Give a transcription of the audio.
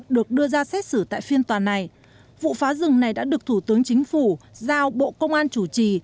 được đưa ra xét xử tại phiên tòa này vụ phá rừng này đã được thủ tướng chính phủ giao bộ công an chủ trì